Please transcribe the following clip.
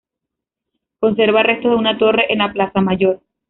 Conserva restos de una torre en la plaza mayor.